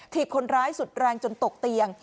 ถีบคนร้ายสุดแรงจนตกเตียง